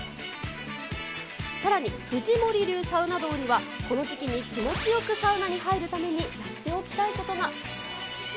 さらに、藤森流サウナ道には、この時期に気持ちよくサウナに入るためにやっておきたいことが。